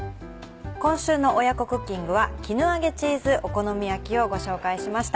今週の親子クッキングは「絹揚げチーズお好み焼き」をご紹介しました。